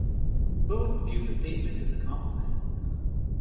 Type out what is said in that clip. Both view the statement as a compliment.